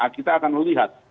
kita akan melihat